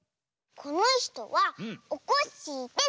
このひとはおこっしぃです！